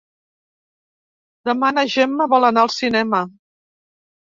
Demà na Gemma vol anar al cinema.